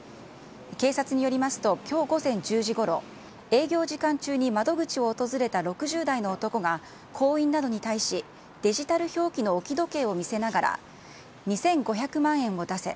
警察によりますと、きょう午前１０時ごろ、営業時間中に窓口を訪れた６０代の男が、行員などに対し、デジタル表記の置き時計を見せながら、２５００万円を出せ。